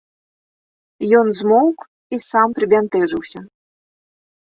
Ён змоўк і сам прыбянтэжыўся.